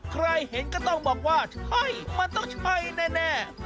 ใครเห็นก็ต้องบอกว่าใช่มันต้องใช่แน่